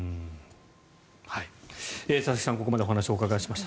佐々木さん、ここまでお話をお伺いしました。